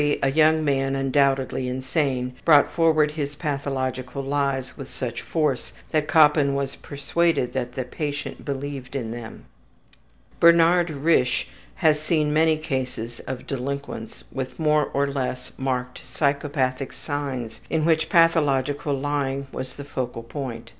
A young man undoubtedly insane brought forward his pathological lies with such force that Koppen was persuaded that the patient believed in them. Bernard Risch has seen many cases of delinquents with more or less marked psychopathic signs in which pathological lying was the focal point.